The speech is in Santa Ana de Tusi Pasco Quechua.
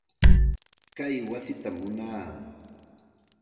Kay wasitam munaa.